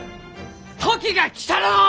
時が来たらのう！